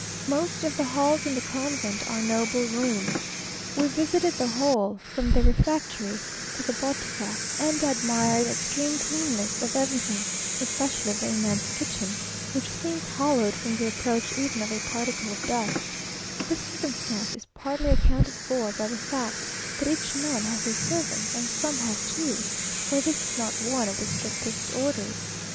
Most of the halls in the convent are noble rooms. We visited the whole, from the refectory to the botica, and admired the extreme cleanness of everything, especially of the immense kitchen, which seems hallowed from the approach even of a particle of dust; this circumstance is partly accounted for by the fact that each nun has a servant, and some have two; for this is not one of the strictest orders.